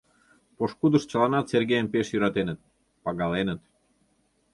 Пошкудышт чыланат Сергейым пеш йӧратеныт, пагаленыт.